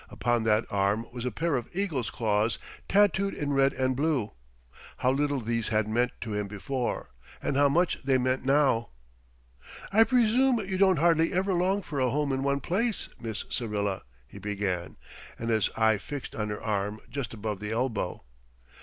Upon that arm was a pair of eagle's claws, tattooed in red and blue! How little these had meant to him before, and how much they meant now! "I presume you don't hardly ever long for a home in one place, Miss Syrilla," he began, with his eye fixed on her arm just above the elbow.